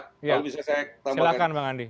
silahkan bang andi